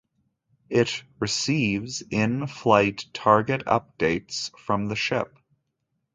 It receives in-flight target updates from the ship.